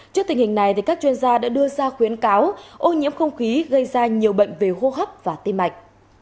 trước tình hình này các chuyên gia đã đưa ra khuyến cáo ô nhiễm không khí gây ra nhiều bệnh về hô hấp và tim mạch